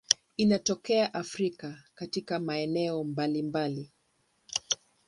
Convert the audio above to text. Inatokea Afrika katika maeneo mbalimbali.